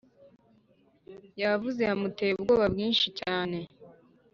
yavuze yamuteye ubwoba bwinshi cyane